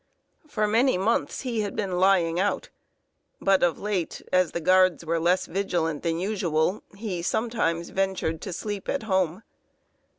For many months he had been "lying out;" but of late, as the Guards were less vigilant than usual, he sometimes ventured to sleep at home.